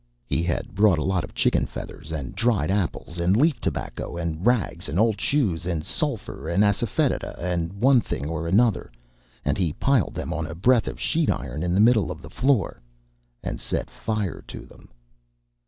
He had brought a lot of chicken feathers, and dried apples, and leaf tobacco, and rags, and old shoes, and sulphur, and asafoetida, and one thing or another; and he, piled them on a breadth of sheet iron in the middle of the floor, and set fire to them.